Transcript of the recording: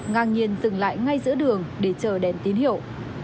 ngang nhiên dừng lại ngay giữa đường để chờ đèn tín hiệu